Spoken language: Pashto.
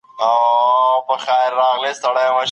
د مالکيانو مشهور مذهب دادی.